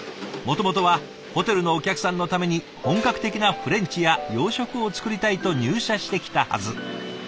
もともとはホテルのお客さんのために本格的なフレンチや洋食を作りたいと入社してきたはず。